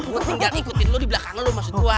gua tinggal ikutin lo di belakang lo